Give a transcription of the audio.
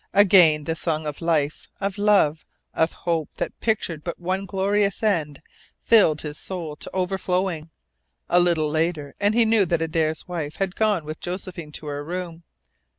Again the song of life, of love, of hope that pictured but one glorious end filled his soul to overflowing. A little later and he knew that Adare's wife had gone with Josephine to her room.